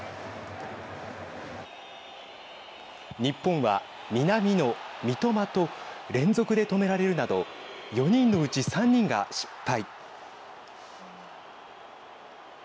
日本は南野、三笘と連続で止められるなど４人のうち３人が失敗。